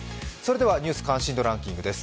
「ニュース関心度ランキング」です。